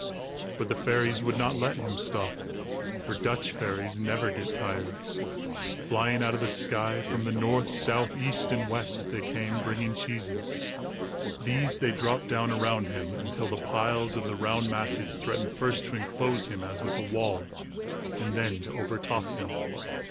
But the fairies would not let him stop, for Dutch fairies never get tired. Flying out of the sky from the north, south, east and west they came, bringing cheeses. These they dropped down around him, until the piles of the round masses threatened first to enclose him as with a wall, and then to overtop him.